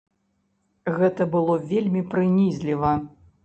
Гэта было вельмі прынізліва.